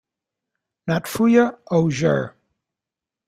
"Notfeuer", O. Ger.